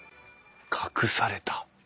隠された？